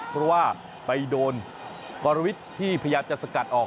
เพราะว่าไปโดนกรวิทย์ที่พยายามจะสกัดออก